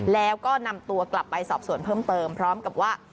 แล้วก็นำตัวกลับไปสอบส่วนเพิ่มเติมพร้อมกับว่า